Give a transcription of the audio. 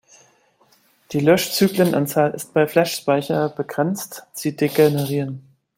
Die Löschzyklenanzahl ist bei Flash-Speicher begrenzt; sie degenerieren.